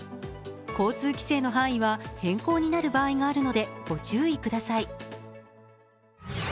交通規制の範囲は変更になる場合があるので、ご注意ください。